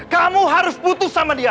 kamu harus putus sama dia